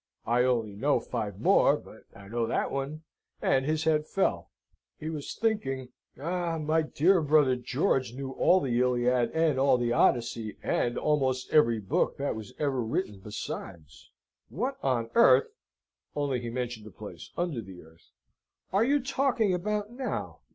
"I only know five more, but I know that one." And his head fell. He was thinking, "Ah, my dear brother George knew all the Iliad and all the Odyssey, and almost every book that was ever written besides!" "What on earth" (only he mentioned a place under the earth) "are you talking about now?"